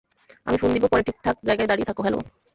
আমি ফোন দিবো পরে ঠিক ঠাক জায়গায় দাঁড়িয়ে থাক হ্যাঁলো?